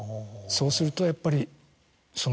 そうするとやっぱり。